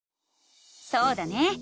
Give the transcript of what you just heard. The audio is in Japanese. そうだね！